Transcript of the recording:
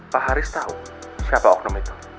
pak haris tahu siapa oknum itu